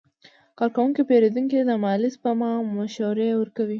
کارکوونکي پیرودونکو ته د مالي سپما مشورې ورکوي.